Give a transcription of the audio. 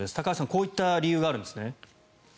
こういった理由があるんですね。